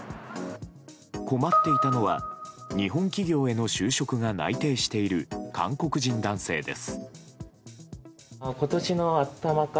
困っていたのは日本企業への就職が内定している韓国人男性です。